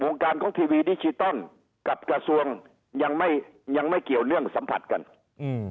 การของทีวีดิจิตอลกับกระทรวงยังไม่ยังไม่เกี่ยวเรื่องสัมผัสกันอืม